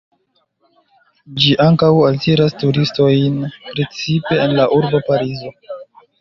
Ĝi ankaŭ altiras turistojn, precipe en la urbo Parizo.